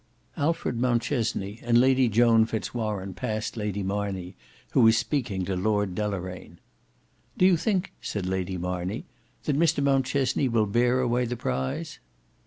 Alfred Mountchesney and Lady Joan Fitz Warene passed Lady Marney who was speaking to Lord Deloraine. "Do you think," said Lady Marney, "that Mr Mountchesney will bear away the prize?"